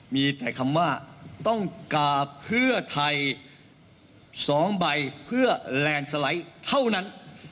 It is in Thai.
มีแต่คำว่าต้องกราบเพื่อไทย๒ใบเพื่อแลนด์สไลด์เท่านั้น